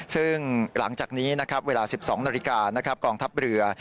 ซึ่งหลังจากนี้เวลา๑๒นาทีกรองทัพเรือ